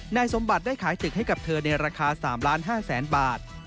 นายสมบัติได้ขายตึกให้กับเธอในราคา๓๕๐๐๐๐บาท